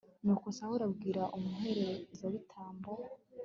nuko sawuli abwira umuherezabitambo